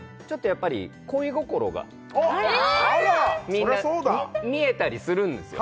そりゃそうだみんな見えたりするんですよ